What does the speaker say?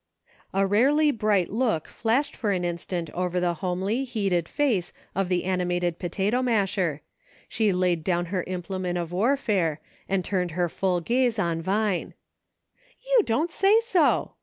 A rarely bright look flashed for an instant over the homely, heated face of the animated potato masher ; she laid down her implement of warfare, and turned her full gaze on Vine, " You don't say so